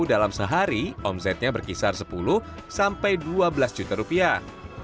dalam sehari omsetnya berkisar sepuluh sampai dua belas juta rupiah